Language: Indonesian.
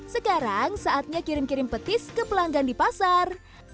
sekarang saatnya kirim kirim petis ke pelanggan di pasar